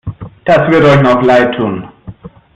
Das wird euch noch leidtun!